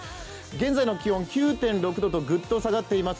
現在の気温９．６度とぐっと下がっております。